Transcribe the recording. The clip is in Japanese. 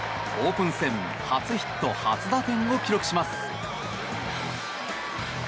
オープン戦初ヒット初打点を記録します。